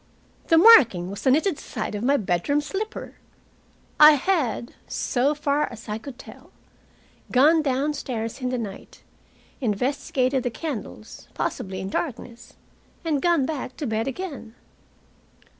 The marking was the knitted side of my bedroom slipper. I had, so far as I could tell, gone downstairs, in the night, investigated the candles, possibly in darkness, and gone back to bed again.